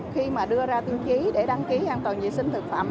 khi mà đưa ra tiêu chí để đăng ký an toàn vệ sinh thực phẩm